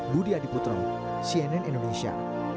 budi adiputro cnn indonesia